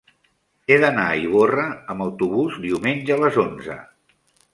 He d'anar a Ivorra amb autobús diumenge a les onze.